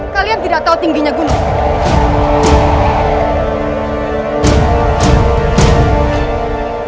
kalian tidak tahu tingginya gunung